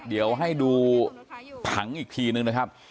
เดี๋ยวให้ดูผังอีกทีนึงนะครับ